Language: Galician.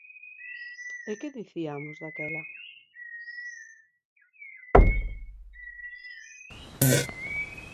¿E que diciamos daquela?